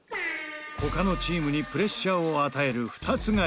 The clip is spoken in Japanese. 他のチームにプレッシャーを与える２つ買い。